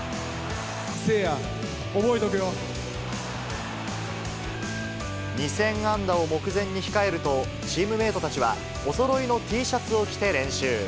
誠也、２０００安打を目前に控えると、チームメートたちは、おそろいのＴシャツを着て練習。